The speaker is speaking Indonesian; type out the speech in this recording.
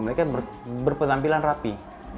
mereka berpenampilan rapi